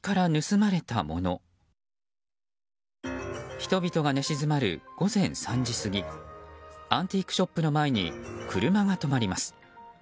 人々が寝静まる午前３時過ぎアンティークショップの前に車が止まります。